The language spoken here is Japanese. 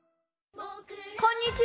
こんにちは。